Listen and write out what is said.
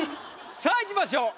さあいきましょう。